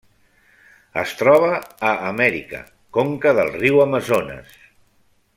Es troba a Amèrica: conca del riu Amazones.